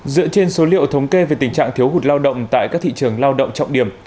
dựa trên số liệu thống kê về tình trạng thiếu hụt lao động tại các thị trường lao động trọng điểm